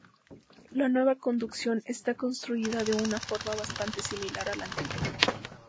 La nueva conducción está construida de una forma bastante similar a la antigua.